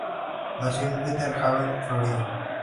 Nació en Winter Haven, Florida.